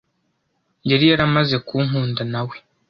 yari yaramaze kunkunda na we